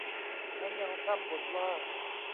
ทั้งยังพร่ำบ่นว่า